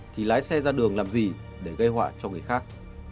thì lái xe ra đường làm gì để gây họa cho người khác